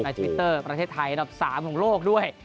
ทวิตเตอร์ประเทศไทยอันดับ๓ของโลกด้วย